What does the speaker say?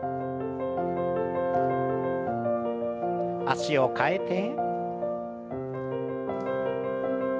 脚を替えて。